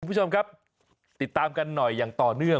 คุณผู้ชมครับติดตามกันหน่อยอย่างต่อเนื่อง